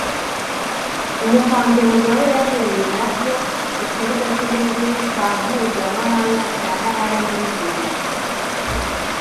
umukambwe Mugabe yahuriye nabyo ku kibuga cy’indege cyampuzamahanga cya Harare muri Zimbabwe